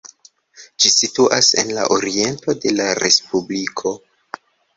Ĝi situas en la oriento de la respubliko.